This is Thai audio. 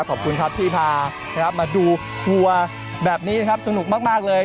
ขอบคุณครับที่พานะครับมาดูวัวแบบนี้นะครับสนุกมากเลย